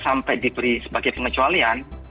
sampai diberi sebagai pengecualian